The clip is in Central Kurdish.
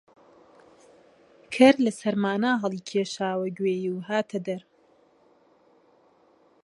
کەر لە سەرمانا هەڵیکێشاوە گوێی و هاتە دەر